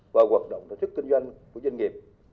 và hoạt động các thức kinh doanh của doanh nghiệp